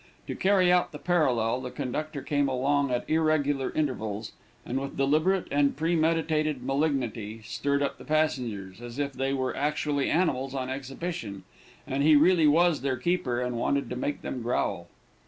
To carry out the parallel, the conductor came along at irregular intervals, and with deliberate and premeditated malignity, stirred up the passengers, as if they were actually animals on exhibition, and he really was their keeper, and wanted to make them growl.